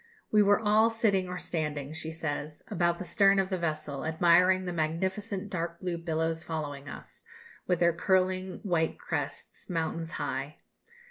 "We were all sitting or standing," she says, "about the stern of the vessel, admiring the magnificent dark blue billows following us, with their curling white crests, mountains high.